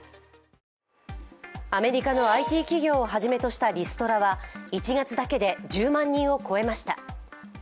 アメリカのＩＴ企業をはじめとしたリストラは１月だけで１０万人を超えました。